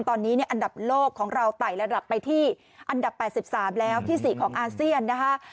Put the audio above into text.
ตอนนี้อันดับโลกของเราไต่ระดับไปที่อันดับ๘๓แล้วที่๔ของอาเซียนนะคะ